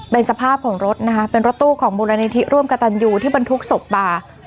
เป็นสภาพของรถนะคะเป็นรถตู้ของมูลนิธิร่วมกับตันยูที่บรรทุกศพมา